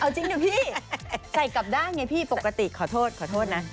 เอาจริงหรือพี่ใส่กลับได้ไงพี่ปกติขอโทษปกตินะ